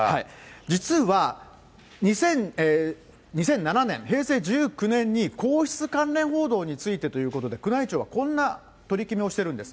実は、２００７年・平成１９年に、皇室関連報道についてということで、宮内庁はこんな取り決めをしているんです。